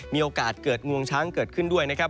มีโอกาสเกิดงวงช้างเกิดขึ้นด้วยนะครับ